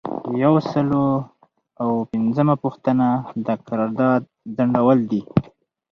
یو سل او پنځمه پوښتنه د قرارداد ځنډول دي.